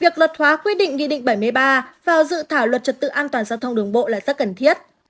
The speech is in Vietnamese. việc luật hóa quy định nghị định bảy mươi ba vào dự thảo luật trật tự an toàn giao thông đường bộ là rất cần thiết